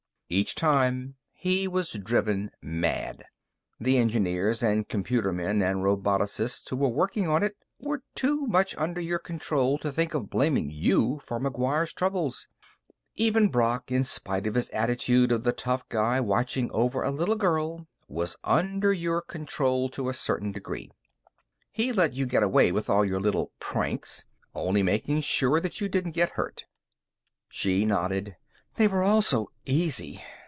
Each time, he was driven mad. "The engineers and computermen and roboticists who were working on it were too much under your control to think of blaming you for McGuire's troubles. Even Brock, in spite of his attitude of the tough guy watching over a little girl, was under your control to a certain degree. He let you get away with all your little pranks, only making sure that you didn't get hurt." She nodded. "They were all so easy.